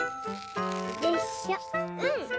よいしょうん！